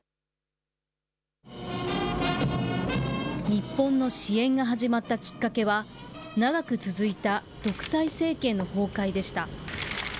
日本の支援が始まったきっかけは、長く続いた独裁政権の崩壊でした。